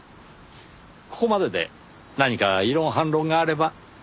ここまでで何か異論反論があれば。